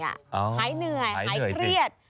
หายเหนื่อยหายเครียด